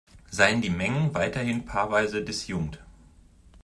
Seien die Mengen weiterhin paarweise disjunkt.